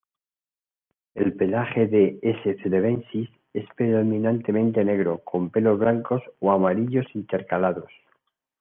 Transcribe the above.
El pelaje de "S. celebensis" es predominantemente negro con pelos blancos o amarillos intercalados.